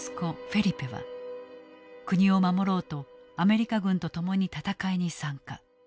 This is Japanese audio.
フェリペは国を守ろうとアメリカ軍と共に戦いに参加。